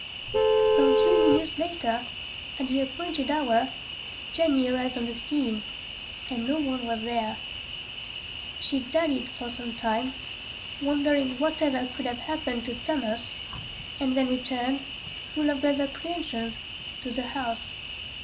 Some few minutes later, at the appointed hour, Jenny arrived on the scene, and no one was there. She dallied for some time, wondering whatever could have happened to Thomas, and then returned, full of grave apprehensions, to the house.